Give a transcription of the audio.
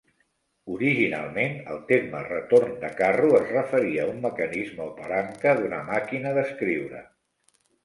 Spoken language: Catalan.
Originalment, el terme "retorn de carro" es referia a un mecanisme o palanca d'una màquina d'escriure.